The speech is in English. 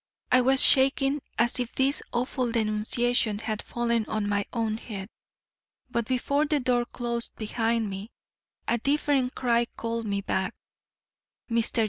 I was shaking as if this awful denunciation had fallen on my own head. But before the door closed behind me, a different cry called me back. Mr.